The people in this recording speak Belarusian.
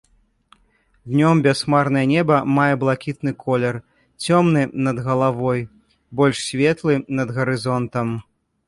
Днём бясхмарнае неба мае блакітны колер, цёмны над галавой, больш светлы над гарызонтам.